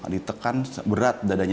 ditekan berat dadanya